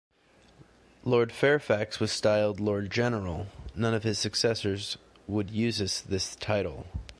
Lord Fairfax was styled "Lord General", none of his successors would uses this title.